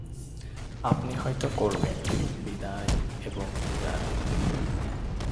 আপনি হয়তো করবেন - বিদায় এবং বিদায়।